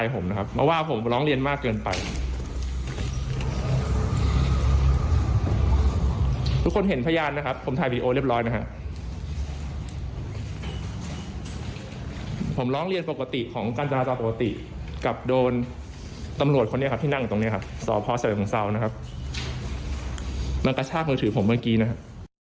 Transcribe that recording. ผมร้องเรียนปกติของการจราจรปกติกลับโดนตำรวจคนนี้ครับที่นั่งอยู่ตรงนี้ครับสพเสริมเซานะครับมันกระชากมือถือผมเมื่อกี้นะครับ